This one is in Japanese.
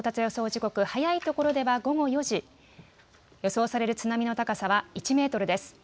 時刻、早いところでは午後４時、予想される津波の高さは１メートルです。